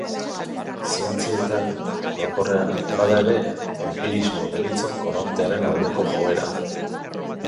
Zientzietan, orokorrean, bada ere enpirismo deritzon korrontearen aldeko joera.